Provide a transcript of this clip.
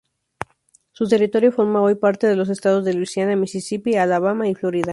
Su territorio forma hoy parte de los Estados de Luisiana, Misisipi, Alabama y Florida.